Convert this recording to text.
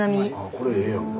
これええやんか。